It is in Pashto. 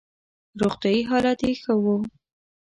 روغتیايي حالت یې ښه وو.